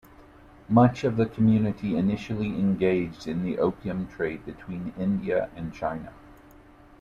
Much of the community initially engaged in the opium trade between India and China.